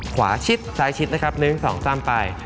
ขวาชิดซ้ายชิดนะครับ๑๒๓ไป